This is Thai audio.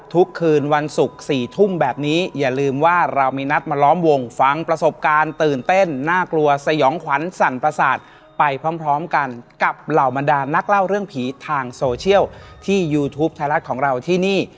ทุกคืนวันศุกร์๔ทุ่มแบบนี้อย่าลืมว่าเรามีนัดมาล้อมวงฟังประสบการณ์ตื่นเต้นน่ากลัวสยองขวัญสั่นประสาทไปพร้อมกันกับเหล่าบรรดานนักเล่าเรื่องผีทางโซเชียลที่ยูทูปไทยรัฐของเราที่นี่